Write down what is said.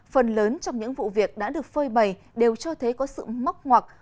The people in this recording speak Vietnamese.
phần lớn trong những vụ việc đã được phơi bày đều cho thấy có sự móc ngoặc